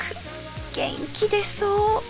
元気出そう。